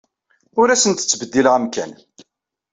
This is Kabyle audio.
Ur asent-ttbeddileɣ amkan.